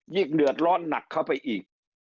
เดือดร้อนหนักเข้าไปอีก